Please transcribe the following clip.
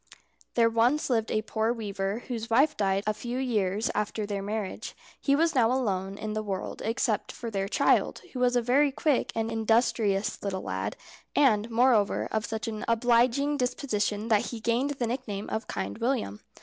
There once lived a poor weaver, whose wife died a few years after their marriage. He was now alone in the world except for their child, who was a very quick and industrious little lad, and, moreover, of such an obliging disposition that he gained the nickname of Kind William.